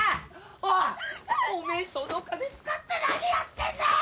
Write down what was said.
おいおめえその金使って何やってんだよ！